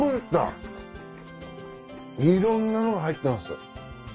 いろんなのが入ってます。